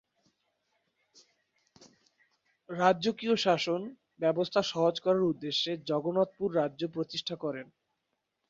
রাজ্যকিয় শাসন ব্যবস্থা সহজ করার উদ্দেশ্যে জগন্নাথপুর রাজ্য প্রতিষ্ঠা করেন।